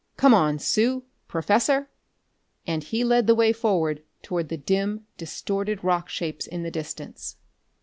"Come on, Sue, Professor!" And he led the way forward toward the dim, distorted rock shapes in the distance.